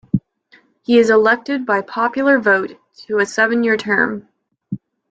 He is elected by popular vote to a seven-year term.